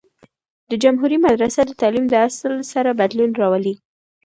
د جمهوری مدرسه د تعلیم د اصل سره بدلون راووي.